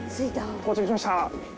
到着しました。